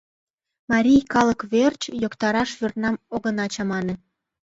Марий калык верч йоктараш вӱрнам огына чамане.